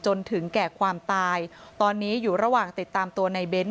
จนถึงแก่ความตายตอนนี้อยู่ระหว่างติดตามตัวในเบ้น